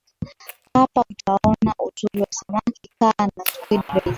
Hapa utaona uzuri wa samaki kaa na squid rays